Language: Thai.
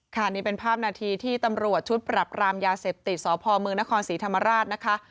นี่เป็นภาพนาทีที่ตำรวจชุดปรับรามยาเสพติดสพมนครศรีธรรมราชนะคะ